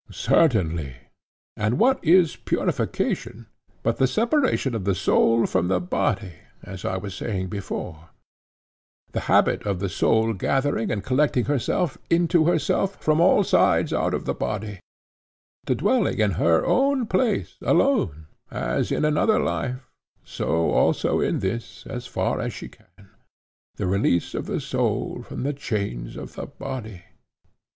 Certainly, replied Simmias. And what is purification but the separation of the soul from the body, as I was saying before; the habit of the soul gathering and collecting herself into herself from all sides out of the body; the dwelling in her own place alone, as in another life, so also in this, as far as she can;—the release of the soul from the chains of the body?